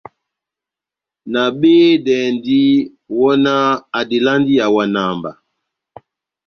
Nabehedɛndi, wɔhɔnáh adelandi ihawana mba.